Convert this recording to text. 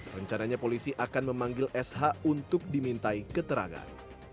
rencananya polisi akan memanggil sh untuk dimintai keterangan